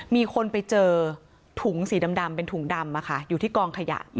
มีคนไปเจอถุงสีดำเป็นถุงดำอยู่ที่กองขยะ